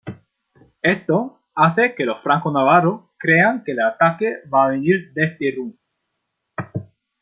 Esto hace que los franco-navarros crean que el ataque va a venir desde Irún.